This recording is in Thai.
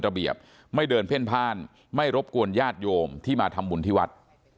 ระเบียบไม่เดินเพ่นพ่านไม่รบกวนญาติโยมที่มาทำบุญที่วัด